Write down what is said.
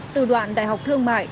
từ đoạn đại học thương mại